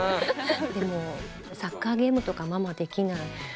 でもサッカーゲームとかママできない。